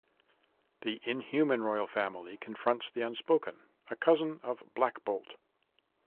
The Inhuman Royal Family confronts the Unspoken, a cousin of Black Bolt.